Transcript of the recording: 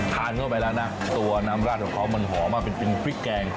ทานเข้าไปแล้วนะตัวน้ำราดของเขามันหอมมากเป็นพริกแกง